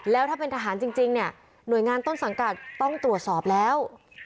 แล้วถ้าเป็นทหารจริงเนี่ยหน่วยงานต้นสังกัดต้องตรวจสอบแล้ว